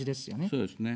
そうですね。